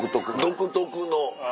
独特の。